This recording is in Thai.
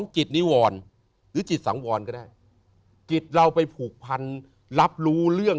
จิตนิวรหรือจิตสังวรก็ได้จิตเราไปผูกพันรับรู้เรื่อง